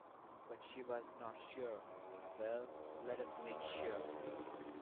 But she was not sure - well, let us make sure!